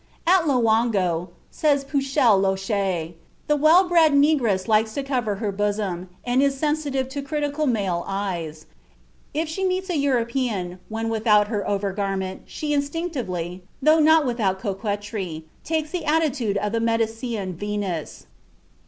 At Loango, says Pechuel Loesche, "the well bred negress likes to cover her bosom, and is sensitive to critical male eyes; if she meets a European when without her overgarment, she instinctively, though not without coquetry, takes the attitude of the Medicean Venus."